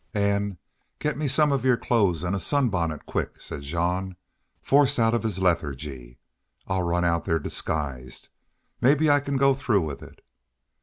"Ann, get me some of your clothes, an' a sunbonnet quick," said Jean, forced out of his lethargy. "I'll run out there disguised. Maybe I can go through with it."